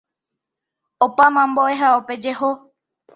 Opáma mbo'ehaópe jeho.